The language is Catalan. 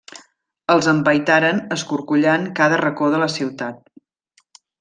Els empaitaren escorcollant cada racó de la ciutat.